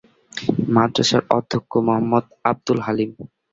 মাদ্রাসার অধ্যক্ষ মোহাম্মদ আবদুল হালিম।